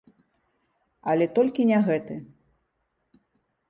Але толькі не гэты!